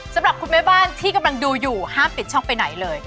สำหรับคุณแม่บ้านที่กำลังดูอยู่ห้ามปิดช่องไปไหนเลย